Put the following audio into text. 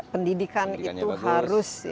pendidikan itu harus ya